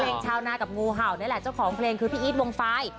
ชาวนากับงูเห่านี่แหละเจ้าของเพลงคือพี่อีทวงไฟล์